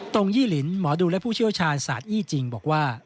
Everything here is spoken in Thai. ตรงยี่ลินหมอดูและผู้เชี่ยวชาญศาสตร์อี้จริงบอกว่า